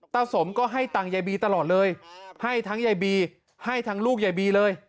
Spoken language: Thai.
สมก็ให้ตังค์ยายบีตลอดเลยให้ทั้งยายบีให้ทั้งลูกยายบีเลย